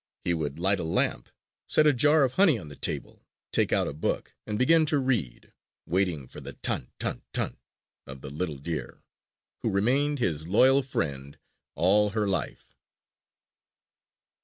He would light a lamp, set a jar of honey on the table, take out a book and begin to read, waiting for the "Tan! Tan! Tan!" of the little deer, who remained his loyal friend all her life.